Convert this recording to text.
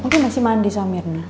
mungkin masih mandi sama mirna